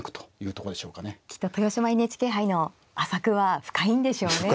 きっと豊島ＮＨＫ杯の浅くは深いんでしょうね。